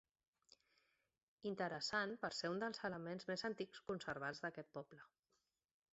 Interessant per ser un dels elements més antics conservats d'aquest poble.